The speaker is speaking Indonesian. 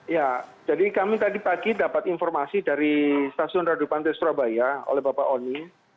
ya jadi kami tadi pagi dapat informasi dari stasiun radu pantai surabaya oleh bapak oni